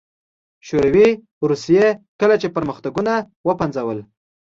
شوروي روسيې کله چې پرمختګونه وپنځول